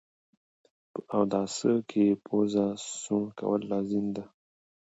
په اوداسه کي پوزه سوڼ کول لازم ده